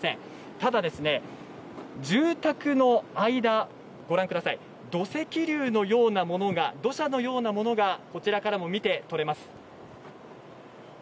ただ、住宅の間、ご覧ください、土石流のようなものが、土砂のようなものが、こちらからも見て取れます。